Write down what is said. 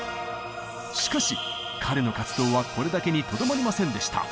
しかし彼の活動はこれだけにとどまりませんでした。